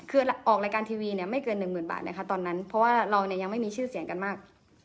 คือออกรายการทีวีเนี่ยไม่เกินหนึ่งหมื่นบาทนะคะตอนนั้นเพราะว่าเราเนี่ยยังไม่มีชื่อเสียงกันมาก